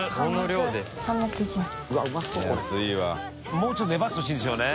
もうちょっと粘ってほしいんですよね。